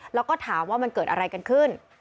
แล้วก็ถามว่ามันเกิดอะไรกันขึ้น